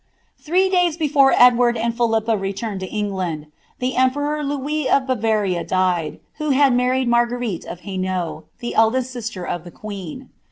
Three days before Edwaid and Philippa returned to England, the em wror Louis of Bavaria died, who had married Marguerite of Ilainault, he eldest sister of the queen.